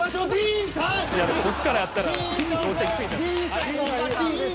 いやこっちからやったら。